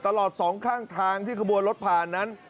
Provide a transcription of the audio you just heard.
สองข้างทางที่ขบวนรถผ่านนั้น